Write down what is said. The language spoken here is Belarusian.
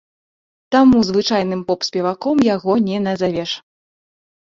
Таму звычайным поп-спеваком яго не назавеш.